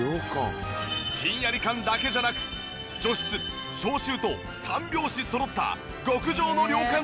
ひんやり感だけじゃなく除湿消臭と三拍子そろった極上の涼感